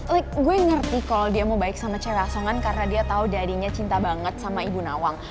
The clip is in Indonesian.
like gue ngerti kalo dia mau baik sama cewe asongan karena dia tau dadinya cinta banget sama ibu nawang